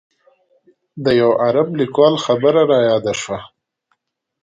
د یوه عرب لیکوال خبره رایاده شوه.